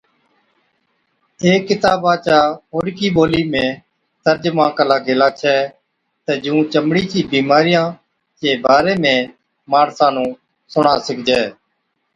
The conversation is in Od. اي ڪِتابا چا اوڏڪِي ٻولِي ۾ ترجما ڪلا گيلا ڇَي تہ جُون چمڙي چي بِيمارِيان چي باري ۾ ماڻسان نُون سُڻا سِگھجَي